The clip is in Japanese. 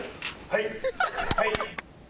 はい。